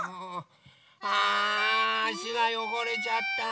ああしがよごれちゃった。